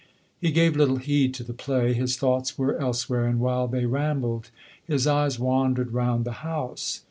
He gave little heed to the play; his thoughts were elsewhere, and, while they rambled, his eyes wandered round the house.